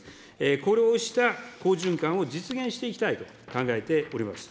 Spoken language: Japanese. これをした好循環を実現していきたいと考えております。